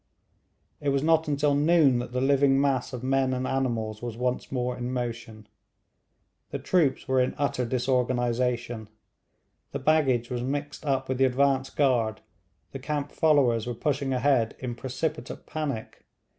It was not until noon that the living mass of men and animals was once more in motion. The troops were in utter disorganisation; the baggage was mixed up with the advance guard; the camp followers were pushing ahead in precipitate panic.